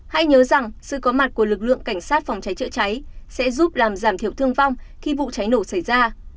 hãy nhớ rằng sự có mặt của lực lượng cảnh sát phòng cháy chữa cháy sẽ giúp làm giảm thiểu thương vong khi vụ cháy nổ xảy ra